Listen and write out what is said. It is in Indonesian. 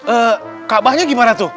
eee kaabahnya gimana tuh